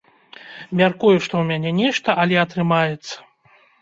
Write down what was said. Мяркую, што ў мяне нешта, але атрымаецца.